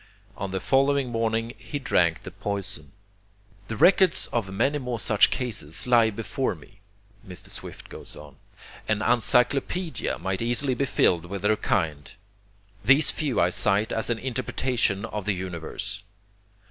On the following morning he drank the poison. "The records of many more such cases lie before me [Mr. Swift goes on]; an encyclopedia might easily be filled with their kind. These few I cite as an interpretation of the universe.